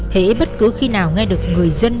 hệ bất cứ khi nào nghe được người dân